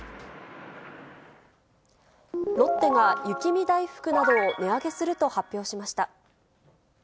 ロッテが雪見だいふくなどを値上げすると発表しました。